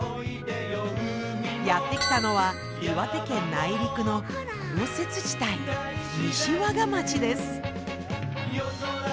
やって来たのは岩手県内陸の豪雪地帯西和賀町です。